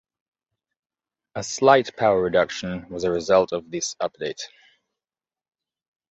A slight power reduction was a result of this update.